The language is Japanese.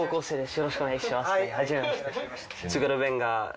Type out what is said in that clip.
よろしくお願いします。